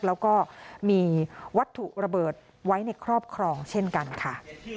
แล้วก็มีวัตถุระเบิดไว้ในครอบครองเช่นกันค่ะ